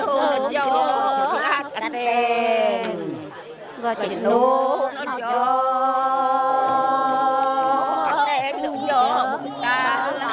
hei kumpul blokat kumpul